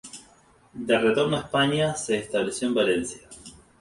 De retorno a España se estableció en Valencia.